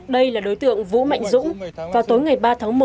đây là đối tượng vũ mạnh dũng vào tối ngày ba tháng một